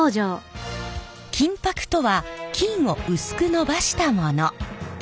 金箔とは金を薄くのばしたもの。